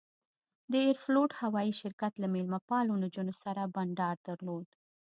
د ایروفلوټ هوایي شرکت له میلمه پالو نجونو سره بنډار درلود.